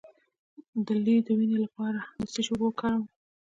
د لۍ د وینې لپاره د څه شي اوبه وکاروم؟